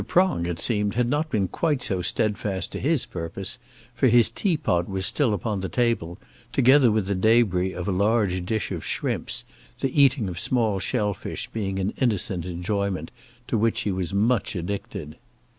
Prong, it seemed, had not been quite so steadfast to his purpose, for his teapot was still upon the table, together with the debris of a large dish of shrimps, the eating of small shell fish being an innocent enjoyment to which he was much addicted.